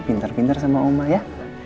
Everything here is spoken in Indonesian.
pinter pinter sama oma ya